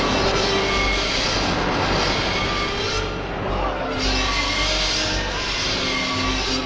ああ！